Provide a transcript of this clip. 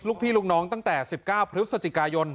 พี่ลูกน้องตั้งแต่๑๙พฤศจิกายน